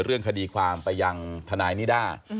เรื่องคดีความไปยังทนายนิด้า